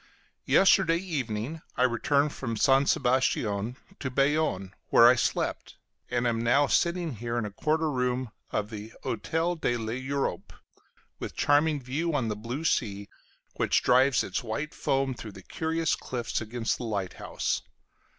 Yesterday evening I returned from St. Sebastian to Bayonne, where I slept, and am now sitting here in a corner room of the Hotel de l'Europe, with charming view on the blue sea, which drives its white foam through the curious cliffs against the lighthouse.